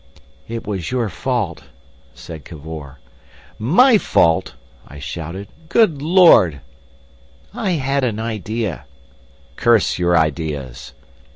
"It was your fault," said Cavor. "My fault!" I shouted. "Good Lord!" "I had an idea!" "Curse your ideas!"